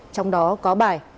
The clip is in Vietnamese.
trong đó có bài